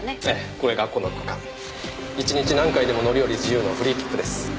これがこの区間１日何回でも乗り降り自由のフリー切符です。